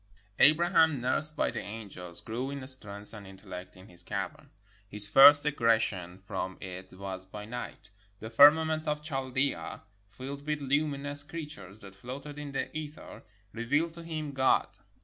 ] Abraham, nursed by the angels, grew in strength and intellect in his cavern. His first egression from it was by night. The firmament of Chaldea, filled with lumi nous creatures that floated in the ether, revealed to him God.